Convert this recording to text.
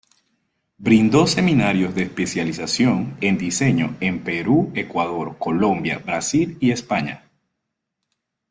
Brindó seminarios de especialización en diseño en Perú, Ecuador, Colombia, Brasil y España.